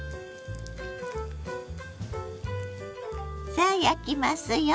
さあ焼きますよ。